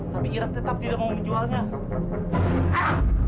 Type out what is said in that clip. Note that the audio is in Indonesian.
tapi iran tetap tidak mau menjualnya